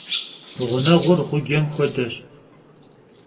Ğuneğur ğucem xuedeş.